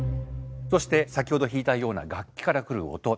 そして先ほど弾いたような楽器から来る音。